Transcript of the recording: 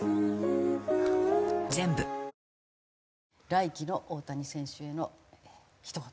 来季の大谷選手へのひと言。